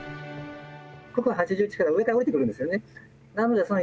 くく８１から上から降りてくるんですよね。